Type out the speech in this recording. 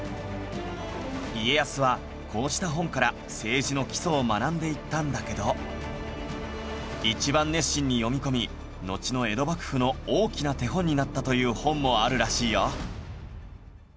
家康はこうした本から政治の基礎を学んでいったんだけど一番熱心に読み込みのちの江戸幕府の大きな手本になったという本もあるらしいよ